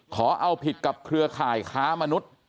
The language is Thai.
ขอเอาผิดกับเครือข่ายค้ามนุษย์